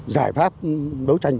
giải pháp đấu tranh